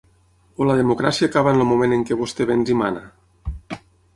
O la democràcia acaba en el moment en què vostè venç i mana?